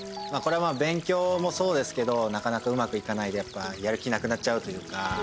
これまあ勉強もそうですけどなかなかうまくいかないとやっぱやる気なくなっちゃうというか。